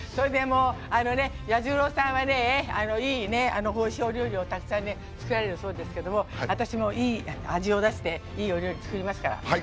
彌十郎さんはいいおいしいお料理をたくさん作られるそうですが私もいい味を出していいお料理作りますから。